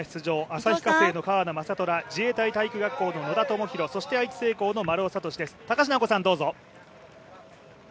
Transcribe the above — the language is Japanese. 旭化成の川野将虎自衛隊体育学校の野田明宏そして愛知製鋼の丸尾知司です。